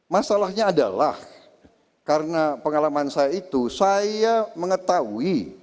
masalahnya adalah karena pengalaman saya itu saya mengetahui